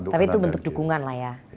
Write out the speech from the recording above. tapi itu bentuk dukungan lah ya